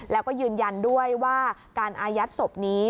แล้วก็ยืนยันด้วยว่าการอายัดศพนี้